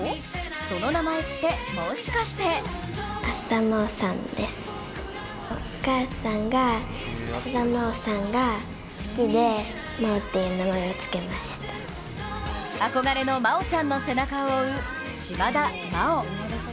その名前ってもしかして憧れの「まおちゃん」の背中を追う島田麻央。